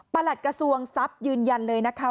หลัดกระทรวงทรัพย์ยืนยันเลยนะคะ